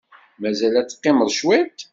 Mazal ad teqqimeḍ cwiṭ?